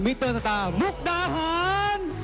มิสเตอร์สตาร์มุกดาฮาน